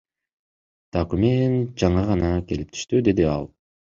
Документ жаңы гана келип түштү, — деди ал.